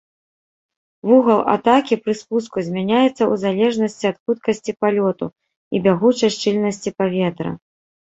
Вугал атакі пры спуску змяняецца ў залежнасці ад хуткасці палёту і бягучай шчыльнасці паветра.